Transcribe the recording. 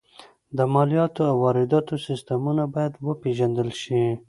د مالیاتو او وارداتو سیستمونه باید وپېژندل شي